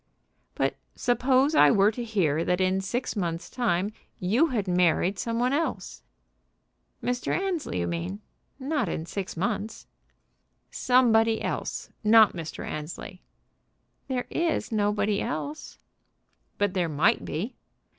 "But suppose I were to hear that in six months' time you had married some one else?" "Mr. Annesley, you mean. Not in six months." "Somebody else. Not Mr. Annesley." "There is nobody else." "But there might be."